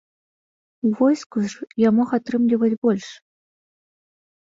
У войску ж я мог атрымліваць больш.